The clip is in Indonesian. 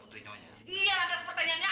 terima kasih untuk kesempatannya